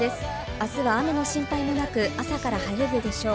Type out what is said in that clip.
明日は雨の心配もなく朝から晴れるでしょう。